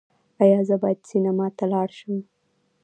ایا زه باید سینما ته لاړ شم؟